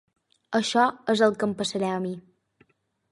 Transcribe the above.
Això és el que em passarà a mi.